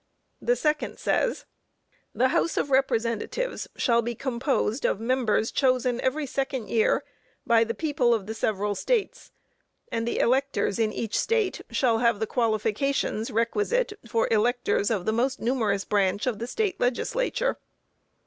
The second says: "The House of Representatives shall be composed of members chosen every second year by the people of the several States; and the electors in each State shall have the qualifications requisite for electors of the most numerous branch of the State Legislature."